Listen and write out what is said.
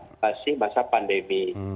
masih masa pandemi